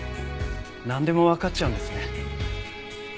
なんでもわかっちゃうんですね。